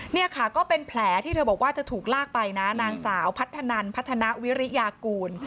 นี่ค่ะก็เป็นแผลที่เธอบอกว่าเธอถูกลากไปนะนางสาวพัฒนันพัฒนาวิริยากูล